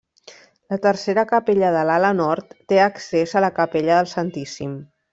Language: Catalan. La tercera capella de l'ala nord té accés a la capella del Santíssim.